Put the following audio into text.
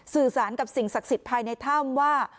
สื่อสารกับสิ่งศักดิ์สิทธิ์ภายในถ้ำว่า